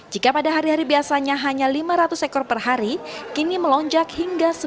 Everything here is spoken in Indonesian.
jika pada hari hari biasanya hanya lima ratus ekor per hari kini melonjak hingga sembilan ratus ekor per hari